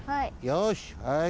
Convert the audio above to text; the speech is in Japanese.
よしはい